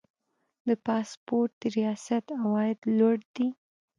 د پاسپورت ریاست عواید لوړ دي